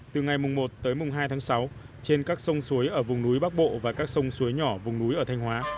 từ ngày một tới hai tháng sáu trên các sông suối ở vùng núi bắc bộ và các sông suối nhỏ vùng núi ở thanh hóa